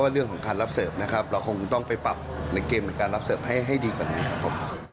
เราคงต้องไปปรับในเกมการรับเสิร์ฟให้ดีกว่านี้ครับ